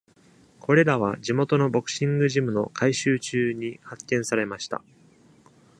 これらは地元のボクシングジムの改修中に発見されました。